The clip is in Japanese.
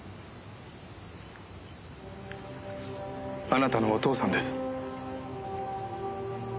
あなたのお父さんです。